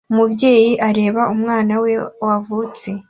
Umubyeyi areba umwana we wavutse